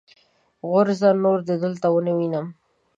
غورځه! نور دې دلته و نه وينم.